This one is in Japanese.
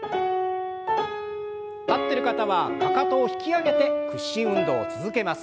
立ってる方はかかとを引き上げて屈伸運動を続けます。